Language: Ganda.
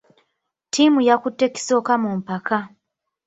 Ttiimu yakutte kisooka mu mpaka.